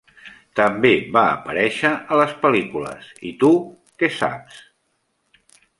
També va aparèixer a les pel·lícules I tu, què saps?